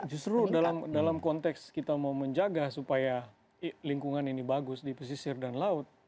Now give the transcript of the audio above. justru dalam konteks kita mau menjaga supaya lingkungan ini bagus di pesisir dan laut